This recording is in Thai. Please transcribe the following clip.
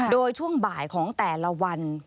โดยช่วงบ่ายของแต่ละวัน